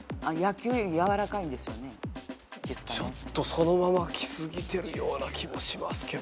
ちょっとそのまま来過ぎてるような気もしますけど。